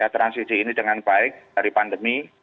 transisi ini dengan baik dari pandemi